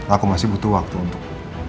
aku masih butuh waktu untuk